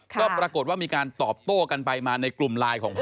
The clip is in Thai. ก็ปรากฏว่ามีการตอบโต้กันไปมาในกลุ่มไลน์ของพ่อ